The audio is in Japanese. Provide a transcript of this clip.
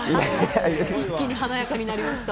一気に華やかになりました。